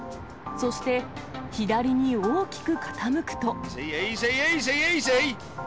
そして左に大きく傾くと。